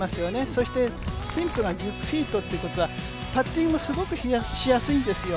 そしてスティンプが１０フィートっていうことはパッティングもすごくしやすいんですよ。